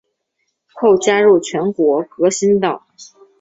后加入全国革新党。